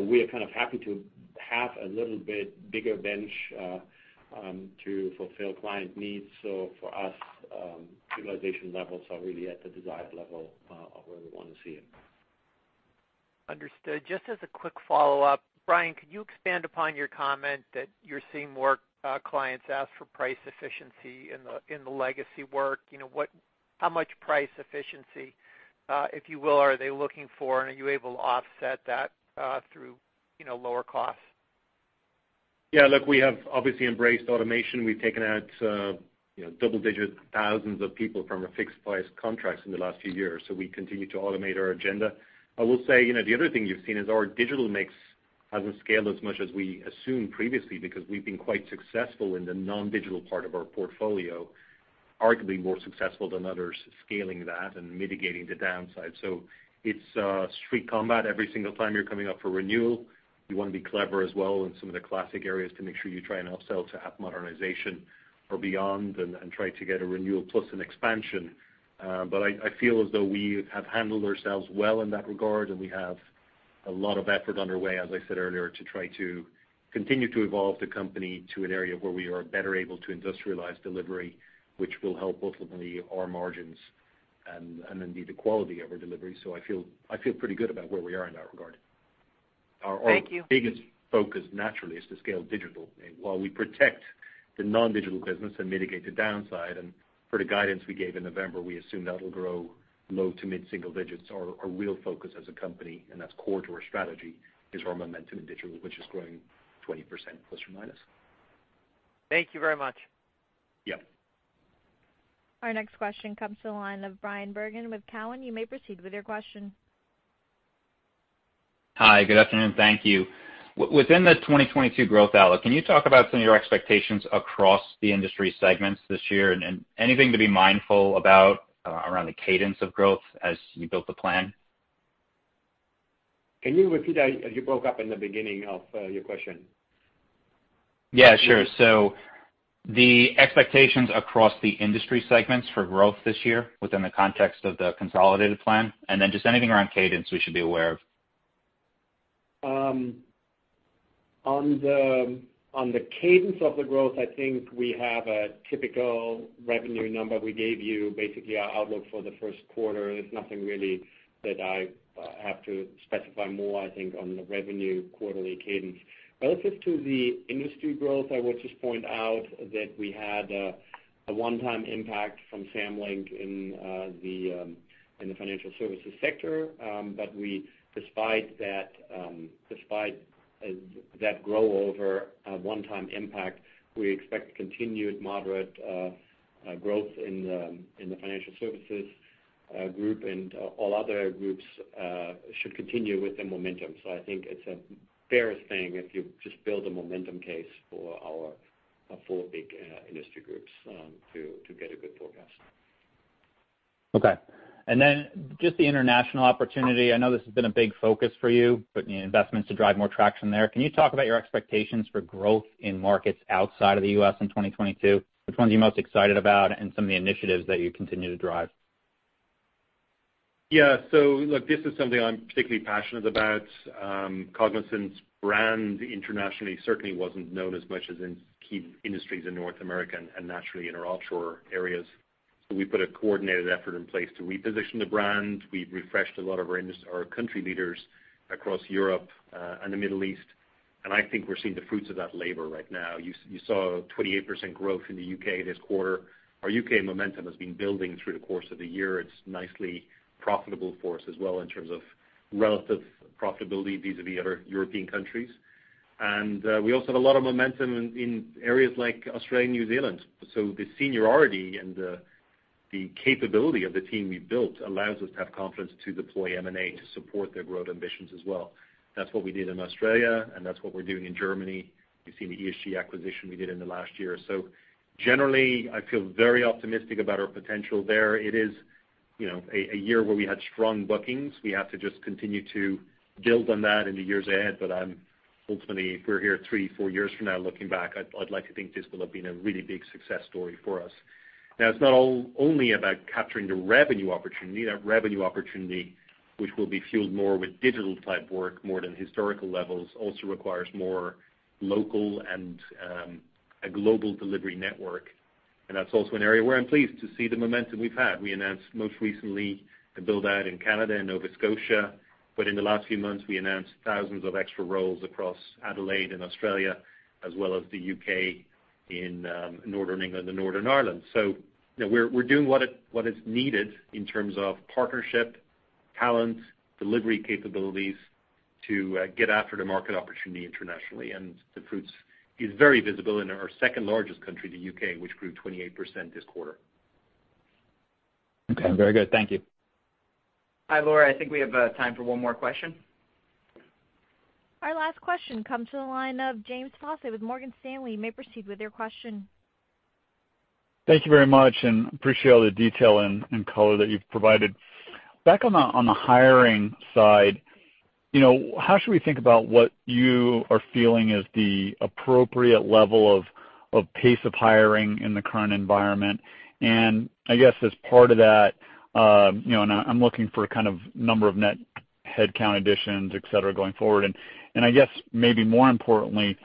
We are kind of happy to have a little bit bigger bench to fulfill client needs. For us, utilization levels are really at the desired level of where we wanna see it. Understood. Just as a quick follow-up. Brian, could you expand upon your comment that you're seeing more clients ask for price efficiency in the legacy work? You know, how much price efficiency, if you will, are they looking for? And are you able to offset that through, you know, lower costs? Yeah. Look, we have obviously embraced automation. We've taken out, you know, double-digit thousands of people from our fixed price contracts in the last few years. We continue to automate our agenda. I will say, you know, the other thing you've seen is our digital mix hasn't scaled as much as we assumed previously because we've been quite successful in the non-digital part of our portfolio, arguably more successful than others scaling that and mitigating the downside. It's street combat every single time you're coming up for renewal. You wanna be clever as well in some of the classic areas to make sure you try and upsell to app modernization or beyond and try to get a renewal plus an expansion. But I feel as though we have handled ourselves well in that regard, and we have A lot of effort underway, as I said earlier, to try to continue to evolve the company to an area where we are better able to industrialize delivery, which will help ultimately our margins and indeed the quality of our delivery. I feel pretty good about where we are in that regard. Thank you. Our biggest focus naturally is to scale digital. While we protect the non-digital business and mitigate the downside, per the guidance we gave in November, we assume that'll grow low- to mid-single-digit %. Our real focus as a company, and that's core to our strategy, is our momentum in digital, which is growing 20% plus or minus. Thank you very much. Yeah. Our next question comes to the line of Bryan Bergin with Cowen. You may proceed with your question. Hi. Good afternoon. Thank you. Within the 2022 growth outlook, can you talk about some of your expectations across the industry segments this year and anything to be mindful about around the cadence of growth as you built the plan? Can you repeat that? You broke up in the beginning of your question. Yeah, sure. The expectations across the industry segments for growth this year within the context of the consolidated plan, and then just anything around cadence we should be aware of? On the cadence of the growth, I think we have a typical revenue number we gave you, basically our outlook for the first quarter. There's nothing really that I have to specify more, I think, on the revenue quarterly cadence. Relative to the industry growth, I would just point out that we had a one-time impact from Samlink in the financial services sector. Despite that, we grew over a one-time impact, we expect continued moderate growth in the financial services group, and all other groups should continue with the momentum. I think it's a fair thing if you just build a momentum case for our four big industry groups to get a good forecast. Okay. Just the international opportunity. I know this has been a big focus for you, putting investments to drive more traction there. Can you talk about your expectations for growth in markets outside of the U.S. in 2022? Which ones are you most excited about, and some of the initiatives that you continue to drive? Yeah. Look, this is something I'm particularly passionate about. Cognizant's brand internationally certainly wasn't known as much as in key industries in North America and naturally in our offshore areas. We put a coordinated effort in place to reposition the brand. We've refreshed a lot of our country leaders across Europe and the Middle East, and I think we're seeing the fruits of that labor right now. You saw 28% growth in the U.K. this quarter. Our U.K. momentum has been building through the course of the year. It's nicely profitable for us as well in terms of relative profitability vis-a-vis other European countries. We also have a lot of momentum in areas like Australia and New Zealand. The seniority and the capability of the team we've built allows us to have confidence to deploy M&A to support their growth ambitions as well. That's what we did in Australia, and that's what we're doing in Germany. You've seen the ESG acquisition we did in the last year. Generally, I feel very optimistic about our potential there. It is, you know, a year where we had strong bookings. We have to just continue to build on that in the years ahead, but ultimately, if we're here three, four years from now looking back, I'd like to think this will have been a really big success story for us. Now, it's not only about capturing the revenue opportunity. That revenue opportunity, which will be fueled more with digital-type work more than historical levels, also requires more local and a global delivery network. That's also an area where I'm pleased to see the momentum we've had. We announced most recently a build-out in Canada and Nova Scotia. In the last few months, we announced thousands of extra roles across Adelaide and Australia, as well as the U.K. in northern England and Northern Ireland. You know, we're doing what is needed in terms of partnership, talent, delivery capabilities to get after the market opportunity internationally. The fruits is very visible in our second-largest country, the U.K., which grew 28% this quarter. Okay. Very good. Thank you. Hi, Laura. I think we have time for one more question. Our last question comes to the line of James Faucette with Morgan Stanley. You may proceed with your question. Thank you very much, and I appreciate all the detail and color that you've provided. Back on the hiring side, you know, how should we think about what you are feeling is the appropriate level of pace of hiring in the current environment? I guess as part of that, you know, and I'm looking for kind of number of net headcount additions, et cetera, going forward. I guess maybe more importantly,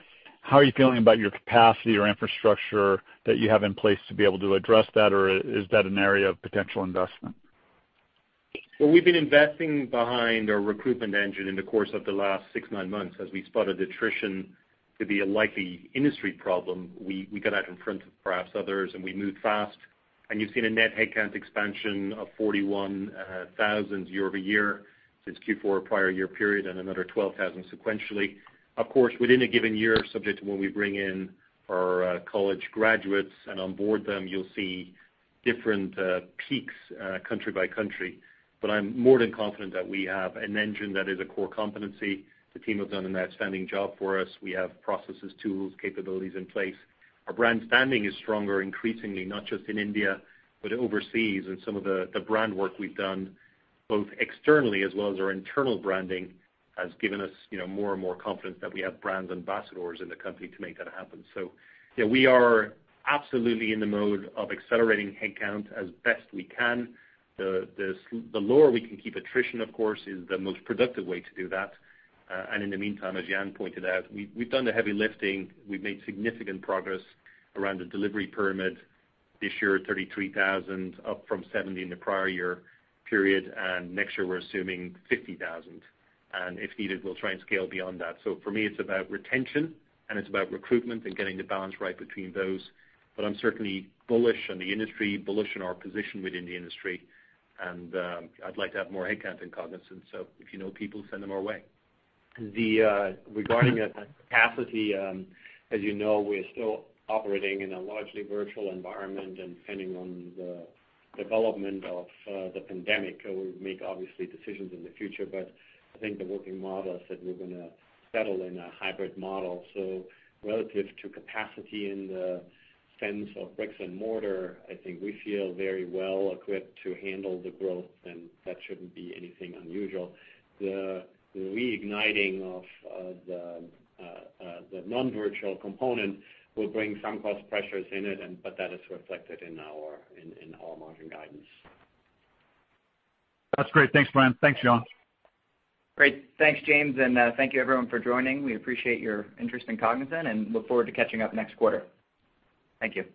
how are you feeling about your capacity or infrastructure that you have in place to be able to address that, or is that an area of potential investment? Well, we've been investing behind our recruitment engine in the course of the last 6-9 months as we spotted attrition to be a likely industry problem. We got out in front of perhaps others, and we moved fast. You've seen a net headcount expansion of 41,000 year-over-year since Q4 prior year period and another 12,000 sequentially. Of course, within a given year, subject to when we bring in our college graduates and onboard them, you'll see different peaks country by country. I'm more than confident that we have an engine that is a core competency. The team has done an outstanding job for us. We have processes, tools, capabilities in place. Our brand standing is stronger increasingly, not just in India, but overseas. Some of the brand work we've done both externally as well as our internal branding has given us, you know, more and more confidence that we have brand ambassadors in the country to make that happen. Yeah, we are absolutely in the mode of accelerating headcount as best we can. The lower we can keep attrition, of course, is the most productive way to do that. In the meantime, as Jan pointed out, we've done the heavy lifting. We've made significant progress around the delivery pyramid. This year, 33,000, up from 70 in the prior year period. Next year, we're assuming 50,000. If needed, we'll try and scale beyond that. For me, it's about retention, and it's about recruitment and getting the balance right between those. I'm certainly bullish on the industry, bullish on our position within the industry. I'd like to have more headcount in Cognizant. If you know people, send them our way. Regarding the capacity, as you know, we're still operating in a largely virtual environment. Depending on the development of the pandemic, we'll obviously make decisions in the future. I think the working model is that we're gonna settle in a hybrid model. Relative to capacity in the sense of bricks and mortar, I think we feel very well equipped to handle the growth, and that shouldn't be anything unusual. The reigniting of the non-virtual component will bring some cost pressures in it, but that is reflected in our margin guidance. That's great. Thanks, Brian. Thanks, Jan. Great. Thanks, James, and thank you everyone for joining. We appreciate your interest in Cognizant and look forward to catching up next quarter. Thank you.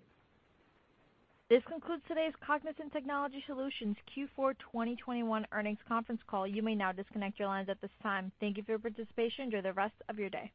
This concludes today's Cognizant Technology Solutions Q4 2021 Earnings conference call. You may now disconnect your lines at this time. Thank you for your participation. Enjoy the rest of your day.